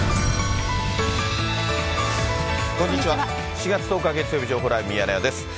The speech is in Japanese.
７月１０日月曜日、情報ライブミヤネ屋です。